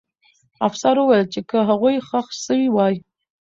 افسر وویل چې که هغوی ښخ سوي وای.